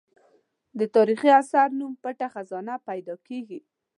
د تاریخي اثر نوم پټه خزانه پیدا کېږي.